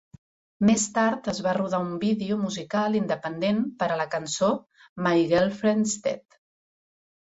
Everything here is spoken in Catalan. Més tard es va rodar un vídeo musical independent per a la cançó "My Girlfriend's Dead".